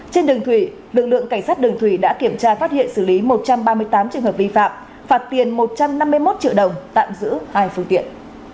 trên đường thủy lực lượng cảnh sát đường thủy đã kiểm tra phát hiện xử lý một trăm ba mươi tám trường hợp vi phạm phạt tiền một trăm năm mươi một triệu đồng tạm giữ hai phương tiện